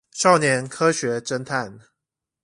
少年科學偵探